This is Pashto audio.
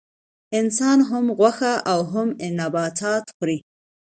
انسان هم غوښه او هم نباتات خوري